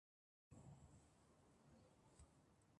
Amo okápe oguapýhína mbohapyve.